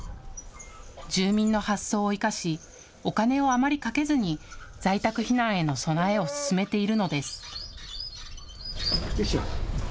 住民の発想を生かしお金をあまりかけずに在宅避難への備えを進めているのです。